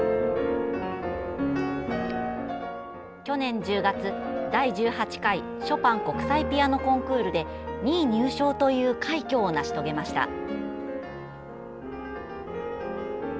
去年１０月、第１８回ショパン国際ピアノコンクールで２位入賞という快挙を成し遂げました。